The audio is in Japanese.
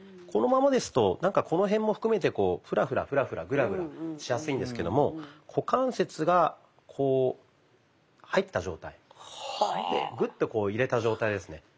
このままですとこの辺も含めてフラフラフラフラグラグラしやすいんですけども股関節がこう入った状態。グッと入れた状態ですね。